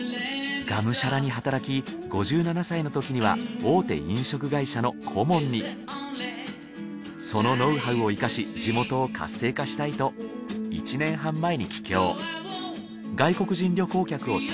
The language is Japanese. がむしゃらに働き５７歳のときにはそのノウハウを生かし地元を活性化したいと１年半前に帰郷。